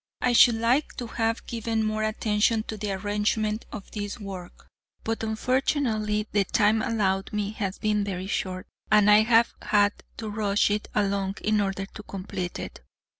I should like to have given more attention to the arrangement of this work, but unfortunately the time allowed me has been very short, and I have had to rush it along in order to complete it.